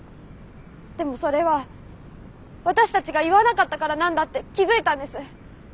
でもそれは私たちが言わなかったからなんだって気付いたんです。